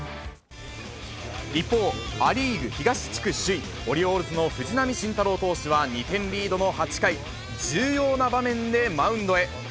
一方、ア・リーグ東地区首位、オリオールズの藤浪晋太郎投手は２点リードの８回、重要な場面でマウンドへ。